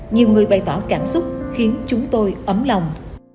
nhiều người bày tỏ cảm xúc khiến chúng tôi ấm lòng